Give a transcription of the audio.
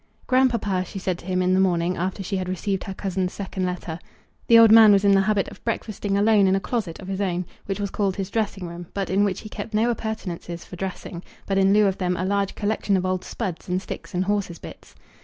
"Grandpapa," she said to him the morning after she had received her cousin's second letter. The old man was in the habit of breakfasting alone in a closet of his own, which was called his dressing room, but in which he kept no appurtenances for dressing, but in lieu of them a large collection of old spuds and sticks and horse's bits.